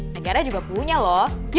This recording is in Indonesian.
negara juga punya lho